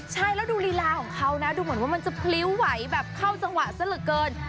ใช่แล้วดูลีลาของเขานะดูเหมือนว่ามันจะพลิ้วไหวแบบเข้าจังหวะซะเหลือเกิน